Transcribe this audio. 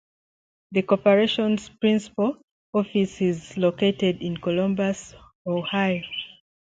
The corporation's principal office is located in Columbus, Ohio.